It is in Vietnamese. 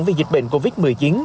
vì dịch bệnh covid một mươi chín